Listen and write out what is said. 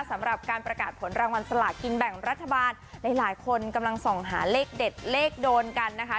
สำหรับการประกาศผลรางวัลสลากินแบ่งรัฐบาลหลายหลายคนกำลังส่องหาเลขเด็ดเลขโดนกันนะคะ